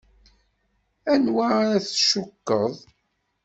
Anwa ara tcukkeḍ?